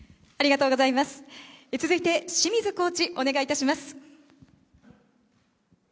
続いて、清水コーチ、お願いいたします。